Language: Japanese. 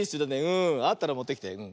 あったらもってきて。